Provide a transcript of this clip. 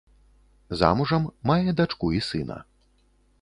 Замужам, мае дачку і сына.